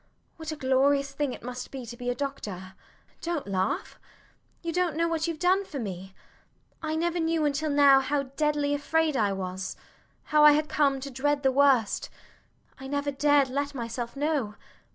What a glorious thing it must be to be a doctor! [They laugh]. Dont laugh. You dont know what youve done for me. I never knew until now how deadly afraid I was how I had come to dread the worst. I never dared let myself know.